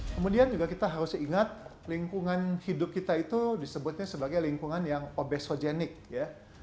kemudian juga kita harus ingat lingkungan hidup kita itu disebutnya sebagai lingkungan yang obesogenik ya